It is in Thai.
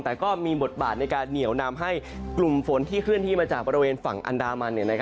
แต่ก็มีบทบาทในการเหนียวนำให้กลุ่มฝนที่เคลื่อนที่มาจากบริเวณฝั่งอันดามัน